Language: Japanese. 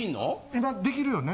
今できるよね。